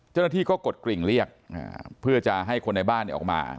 เจ้าหน้าที่ก็กดกริ่งเรียกเพื่อจะให้คนในบ้านออกมา